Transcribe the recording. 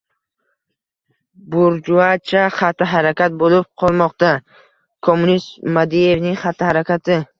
— burjuacha xatti-harakat bo‘lib qolmoqda. Kommunist Madievning xatti-harakati